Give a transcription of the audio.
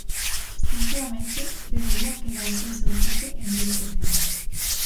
Sinceramente, deberían quedar seis ou sete en vez de cen.